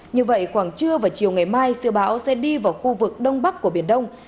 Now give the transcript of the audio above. như vậy khoảng trưa và chiều ngày mai siêu bão sẽ đi vào khu vực đông bắc của biển đông